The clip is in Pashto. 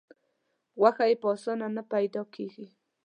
غوښه یې په اسانه نه پیدا کېږي.